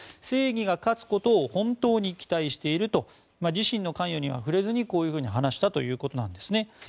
正義が勝つことを本当に期待していると自身の関与については触れずにこういうふうに話したということですね。